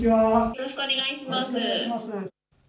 よろしくお願いします。